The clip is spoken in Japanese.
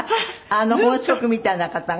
あの本職みたいな方が？